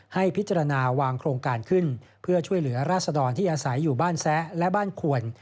ให้พิจารณาวางโครงการขึ้นเพื่อช่วยเหลือราศดรที่อาศัยอยู่บ้านแซะและบ้านขวน